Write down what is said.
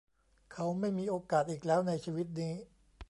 เขาไม่มีโอกาสอีกแล้วในชีวิตนี้